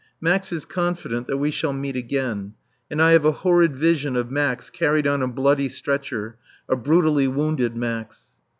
Max is confident that we shall meet again; and I have a horrid vision of Max carried on a bloody stretcher, a brutally wounded Max.